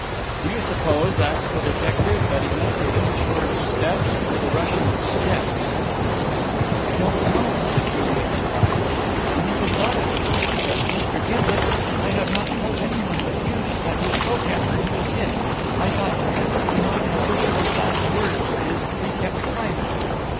"Do you suppose," asked the detective, "that he meant the English word, steps, or the Russian, steppes?" "I don't know," said Juliet, surprised. "I never thought of it. But, Mr. Gimblet, I have not told anyone but you that he spoke after he was hit. I thought perhaps that he might have wished those last words of his to be kept private."